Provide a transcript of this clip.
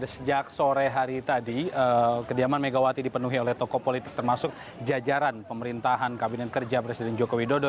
sejak sore hari tadi kediaman megawati dipenuhi oleh tokoh politik termasuk jajaran pemerintahan kabinet kerja presiden joko widodo